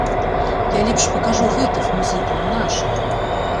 Я лепш пакажу гэтых музыкаў, нашых.